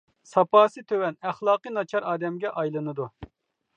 ساپاسى تۆۋەن، ئەخلاقى ناچار ئادەمگە ئايلىنىدۇ.